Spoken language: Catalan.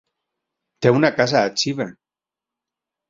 Té una casa a Xiva.